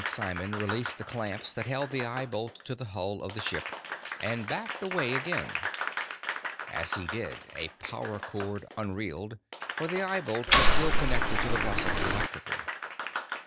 Simon released the clamps that held the eye bolt to the hull of the ship, and backed away again. As he did, a power cord unreeled, for the eye bolt was still connected to the vessel electrically.